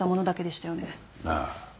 ああ